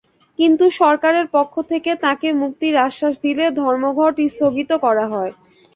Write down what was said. কিন্তু সরকারের পক্ষ থেকে তাঁকে মুক্তির আশ্বাস দিলে ধর্মঘট স্থগিত করা হয়।